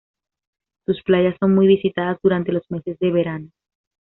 Sus playas son muy visitadas durante los meses de verano.